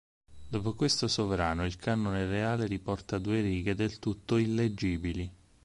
Dopo questo sovrano il Canone Reale riporta due righe del tutto illeggibili